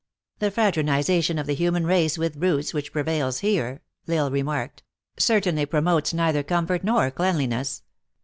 "The fraternization of the human race with brutes, which prevails here," L Isle remarked, " certainly, promotes neither comfort nor cleanliness.